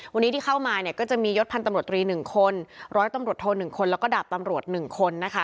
วันนี้ที่เข้ามาเนี่ยก็จะมียศพันธ์ตำรวจตรี๑คนร้อยตำรวจโท๑คนแล้วก็ดาบตำรวจ๑คนนะคะ